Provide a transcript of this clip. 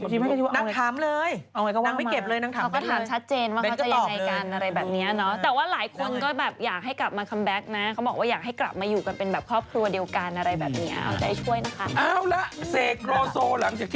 หัวละบ้านเยี่ยมจริง